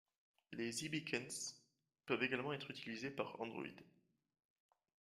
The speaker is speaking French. Les iBeacons peuvent également être utilisés par Android.